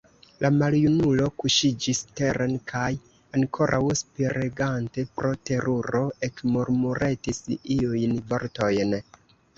La maljunulo kuŝiĝis teren kaj, ankoraŭ spiregante pro teruro, ekmurmuretis iujn vortojn.